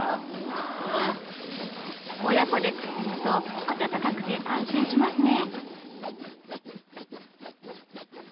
親子でくっつくと暖かくて安心しますね。